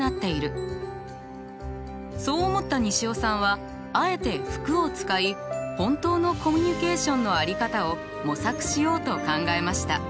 そう思った西尾さんはあえて服を使い本当のコミュニケーションの在り方を模索しようと考えました。